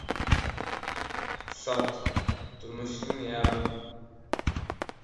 • Iqtisod — turmushning yarmi.